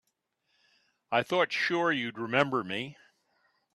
I thought sure you'd remember me.